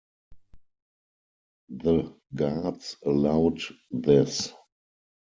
The guards allowed this.